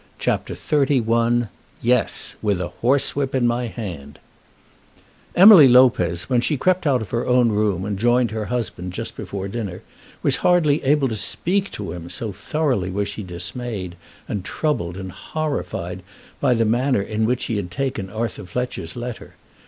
CHAPTER XXXI "Yes; with a Horsewhip in My Hand" Emily Lopez, when she crept out of her own room and joined her husband just before dinner, was hardly able to speak to him, so thoroughly was she dismayed, and troubled, and horrified, by the manner in which he had taken Arthur Fletcher's letter.